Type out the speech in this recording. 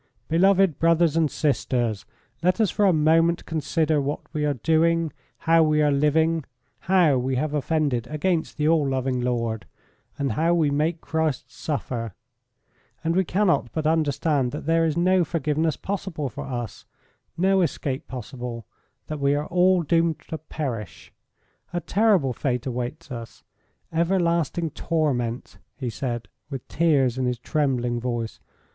"Beloved brothers and sisters, let us for a moment consider what we are doing, how we are living, how we have offended against the all loving Lord, and how we make Christ suffer, and we cannot but understand that there is no forgiveness possible for us, no escape possible, that we are all doomed to perish. A terrible fate awaits us everlasting torment," he said, with tears in his trembling voice.